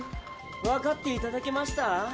わかっていただけました？